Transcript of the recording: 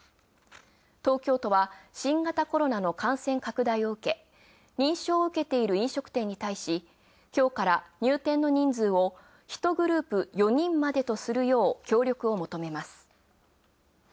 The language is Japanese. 東京とは新型コロナの感染拡大を受け認証を受けている飲食店に対しきょうから、入店の人数を１グループ４人までとするよう協力を求めます。